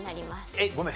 えっごめん